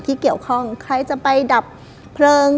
ที่เกี่ยวข้องใครจะไปดับเพลิง